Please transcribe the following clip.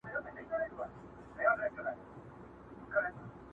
ځه زړې توبې تازه کو د مغان د خُم تر څنګه،